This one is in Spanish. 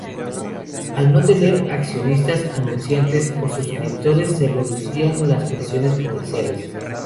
Al no tener accionistas, anunciantes o suscriptores se reducirán las presiones comerciales.